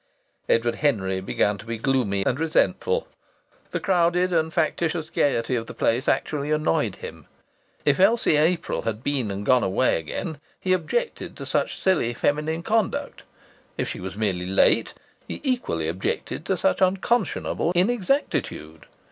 Edward Henry began to be gloomy and resentful. The crowded and factitious gaiety of the place actually annoyed him. If Elsie April had been and gone away again, he objected to such silly feminine conduct. If she was merely late, he equally objected to such unconscionable inexactitude.